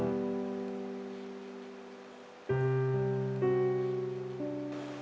ละครชีวิตเรื่องนี้จะจบลงอย่างไร